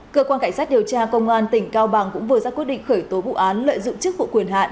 cơ quan cảnh sát điều tra công an tỉnh cao bằng cũng vừa ra quyết định khởi tố vụ án lợi dụng chức vụ quyền hạn